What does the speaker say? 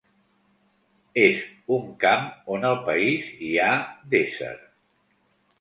És un camp on el país, hi ha d’ésser.